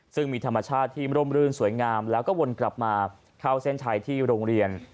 ซึ่งมีธรรมชาติที่ร่มรื่นสวยงามแล้วก็วนกลับมาเข้าเส้นชัยที่โรงเรียน